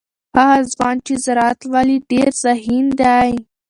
هغه ځوان چې زراعت لولي ډیر ذهین دی.